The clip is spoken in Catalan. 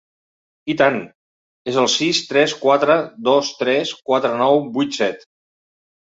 I tant, és el sis tres quatre dos tres quatre nou vuit set.